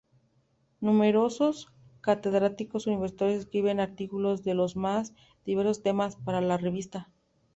Numerosos catedráticos universitarios escriben artículos de los más diversos temas para la revista.